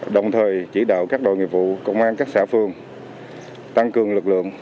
đồng thời chỉ đạo các đội nghiệp vụ công an các xã phường tăng cường lực lượng